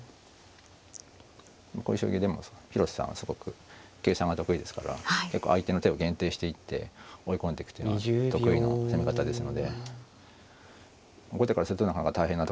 こういう将棋でも広瀬さんはすごく計算が得意ですから結構相手の手を限定していって追い込んでいくっていうのは得意の攻め方ですので後手からするとなかなか大変なところですね